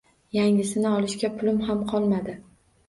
Yangisini olishga pulim ham qolmadi